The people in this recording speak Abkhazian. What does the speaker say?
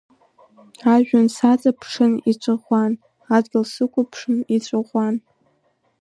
Ажәҩан саҵаԥшын иҵәаӷәан, адгьыл сықәыԥшын ицәаӷәан.